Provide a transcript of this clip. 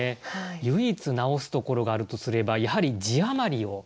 唯一直すところがあるとすればやはり字余りを。